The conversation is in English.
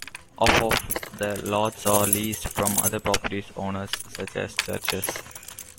Half of the lots are leased from other property owners such as churches.